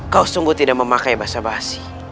kau sungguh tidak memakai bahasa basi